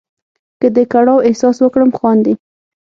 که د کړاو احساس وکړم خاندې.